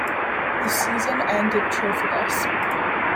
The season ended trophyless.